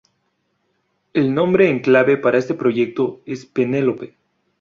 El nombre en clave para este proyecto es ‘’Penelope’’.